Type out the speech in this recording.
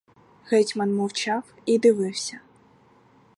Гетьман мовчав і дивився.